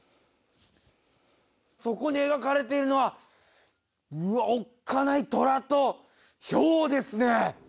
そこに描かれているのはうわっおっかない虎とヒョウですね。